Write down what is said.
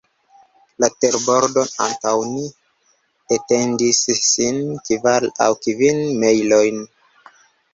La terbordo antaŭ ni etendis sin kvar aŭ kvin mejlojn.